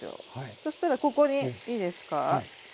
そしたらここにいいですか？